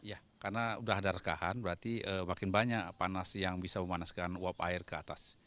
ya karena udah ada rekahan berarti makin banyak panas yang bisa memanaskan uap air ke atas